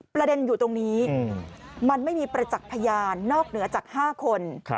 ประเด็นอยู่ตรงนี้มันไม่มีประจักษ์พยานนอกเหนือจาก๕คน